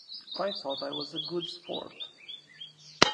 I thought I was a good sport.